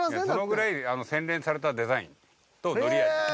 そのくらい洗練されたデザインと乗り味。